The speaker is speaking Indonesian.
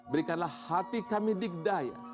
berikanlah hati kami digdaya